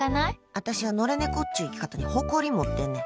あたしは野良猫っちゅう生き方に誇り持ってんねん。